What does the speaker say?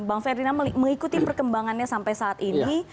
bang ferdinand mengikuti perkembangannya sampai saat ini